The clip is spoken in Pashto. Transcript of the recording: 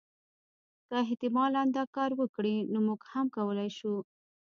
که احتمالا دا کار وکړي نو موږ هم کولای شو.